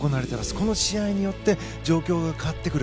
この試合によって状況が変わってくる。